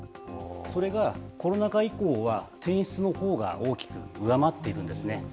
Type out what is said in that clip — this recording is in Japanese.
それがコロナ禍以降は、転出のほうが大きく上回っているんですね。